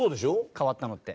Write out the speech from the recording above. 変わったのって。